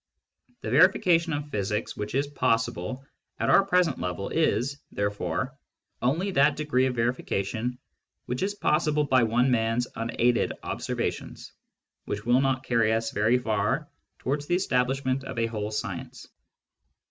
The verification of physics Digitized by Google THE EXTERNAL WORLD 83 which is possible at our present level is, therefore, only that degree of verification which is possible by one man's unaided observations, which will not carry us very far towards the establishment of a whole science.